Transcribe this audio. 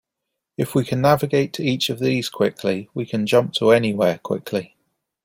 If we can navigate to each of these quickly, we can jump to anywhere quickly.